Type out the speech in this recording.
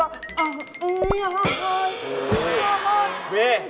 เอ้าอันนี้อ้าว